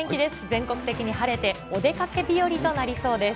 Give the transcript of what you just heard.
全国的に晴れて、お出かけ日和となりそうです。